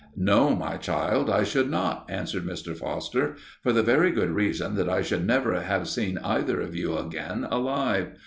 "No, my child, I should not," answered Mr. Foster, "for the very good reason that I should never have seen either of you again alive.